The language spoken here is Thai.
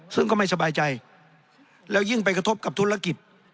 ซึ่งก็ไม่สบายใจแล้วยิ่งไปกระทบกับธุรกิจ